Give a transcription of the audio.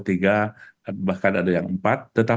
ini ada beberapa hal yang harus diketahui